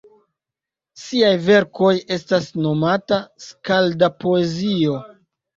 Siaj verkoj estas nomata skalda-poezio.